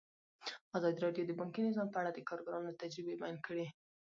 ازادي راډیو د بانکي نظام په اړه د کارګرانو تجربې بیان کړي.